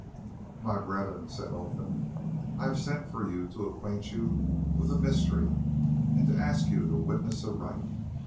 "My brethren," said Olfan, "I have sent for you to acquaint you with a mystery and to ask you to witness a rite.